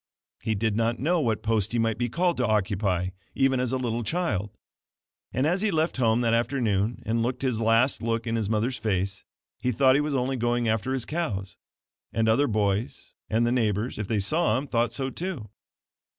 He did not know what post he might be called to occupy, even as a little child; and as he left home that afternoon and looked his last look in his mother's face, he thought he was only going after his cows; and other boys, and the neighbors, if they saw him, thought so, too.